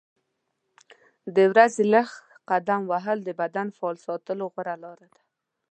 د ورځې لږ قدم وهل د بدن فعال ساتلو غوره لاره ده.